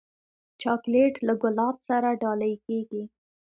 چاکلېټ له ګلاب سره ډالۍ کېږي.